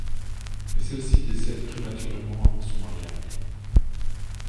Mais celle-ci décède prématurément avant son mariage.